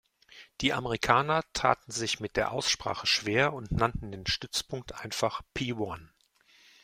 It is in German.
Die Amerikaner taten sich mit der Aussprache schwer und nannten den Stützpunkt einfach „P-One“.